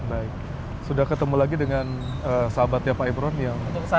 baik sudah ketemu lagi dengan sahabatnya pak ebron yang pemilik ke sini